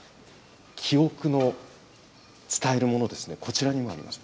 記憶の伝えるもの、こちらにもあります。